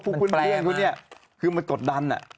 คุณเพียงคุณเนี่ยคือมันกดดันอะ